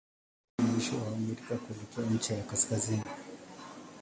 Ndio mwisho wa Amerika kuelekea ncha ya kaskazini.